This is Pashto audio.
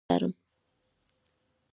زه د ژمي له واورو سره مينه لرم